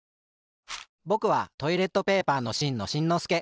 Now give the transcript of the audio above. ぼくはトイレットペーパーのしんのしんのすけ。